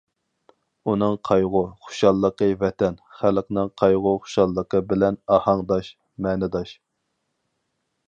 ئۇنىڭ قايغۇ، خۇشاللىقى ۋەتەن، خەلقنىڭ قايغۇ، خۇشاللىقى بىلەن ئاھاڭداش، مەنىداش.